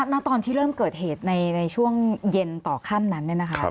ณตอนที่เริ่มเกิดเหตุในช่วงเย็นต่อค่ำนั้น